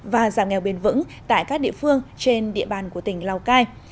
và giảm nghèo bền vững tại các địa phương trên địa bàn của tỉnh lào cai